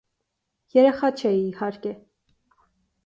Երեխա չէի, իհարկե.